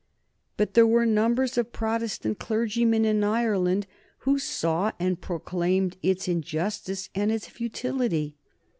But there were numbers of Protestant clergymen in Ireland who saw and proclaimed its injustice and its futility.